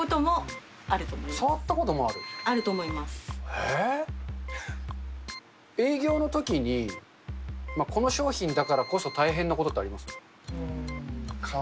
えー？営業のときに、この商品だからこそ大変なことってありますか？